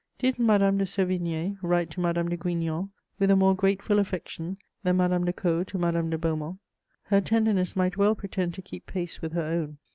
Did Madame de Sévigné write to Madame de Grignan with a more grateful affection than Madame de Caud to Madame de Beaumont? "Her tenderness might well pretend to keep pace with her own."